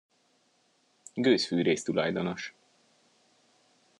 Gőzfűrész tulajdonos.